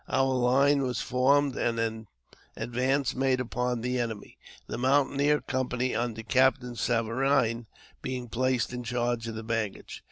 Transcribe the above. Our line was formed, and an advance made upon the enemy, the mountaineer company, under Captain Saverine, being placed in charge of the baggage.